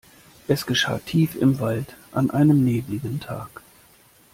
Es geschah tief im Wald an einem nebeligen Tag.